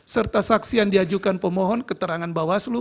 serta saksi yang diajukan pemohon keterangan bawaslu